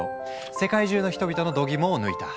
世界中の人々のどぎもを抜いた。